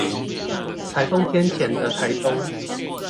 颱風天前的台東